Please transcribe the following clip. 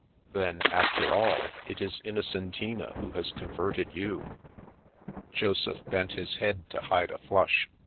*' Then, after all, it is Innocentina who has con verted you." Joseph bent his head to hide a flush.